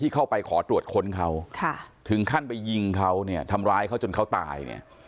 เข้าไปขอตรวจค้นเขาถึงขั้นไปยิงเขาเนี่ยทำร้ายเขาจนเขาตายเนี่ย